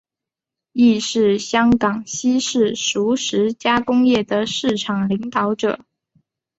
亦是香港西式熟食加工业的市场领导者。